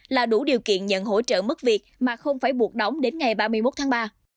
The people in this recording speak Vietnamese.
là đủ điều kiện nhận hỗ trợ mất việc mà không phải buộc đóng đến ngày ba mươi một tháng ba